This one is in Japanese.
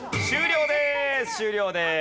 終了です！